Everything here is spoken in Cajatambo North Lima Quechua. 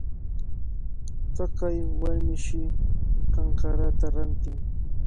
Taqay warmishi chankakata rantin.